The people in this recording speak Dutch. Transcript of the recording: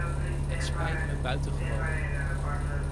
Het spijt me buitengewoon.